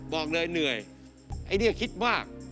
บอกเลยเหนื่อยไอ้เนี่ยคิดว่า